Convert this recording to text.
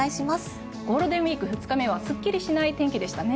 ゴールデンウィーク２日目はすっきりしない天気でしたね。